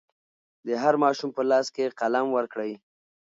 د هر ماشوم په لاس کې قلم ورکړئ.